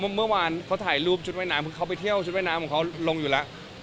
เมื่อวานเขาถ่ายรูปชุดว่ายน้ำคือเขาไปเที่ยวชุดว่ายน้ำของเขาลงอยู่แล้ว